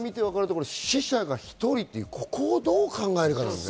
死者が１人というのをどう考えるかですよね。